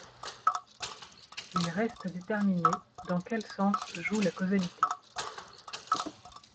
Il reste à déterminer dans quel sens joue la causalité.